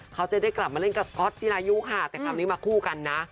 เขาจะได้กลับมาเล่นกับก๊อตจิรายุค่ะแต่คราวนี้มาคู่กันนะ